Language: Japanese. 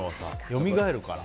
よみがえるから。